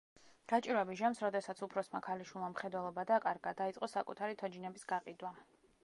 გაჭირვების ჟამს, როდესაც უფროსმა ქალიშვილმა მხედველობა დაკარგა, დაიწყო საკუთარი თოჯინების გაყიდვა.